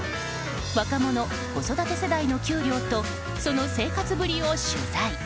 若者・子育て世代の給料とその生活ぶりを取材。